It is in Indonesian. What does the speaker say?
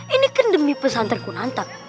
ini kan demi pesantren kunantak